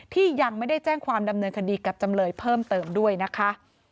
ที่ยังไม่ได้แจ้งความดำเนินคดีกับจำเลยเพิ่มเติมด้วยนะคะ